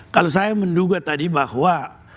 kalau saya menduga tadi bahwa